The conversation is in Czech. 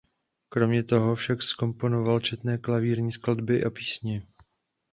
Kromě toho však zkomponoval i četné klavírní skladby a písně.